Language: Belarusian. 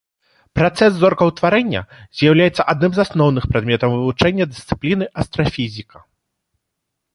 Працэс зоркаўтварэння з'яўляецца адным з асноўных прадметаў вывучэння дысцыпліны астрафізіка.